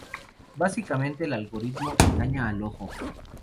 Básicamente, el algoritmo engaña al ojo.